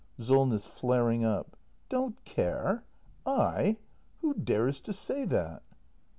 Solness. [Flaring up.] Don't care! I! Who dares to say that